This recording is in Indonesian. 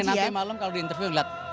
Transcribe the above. jadi nanti malam kalau di interview lihat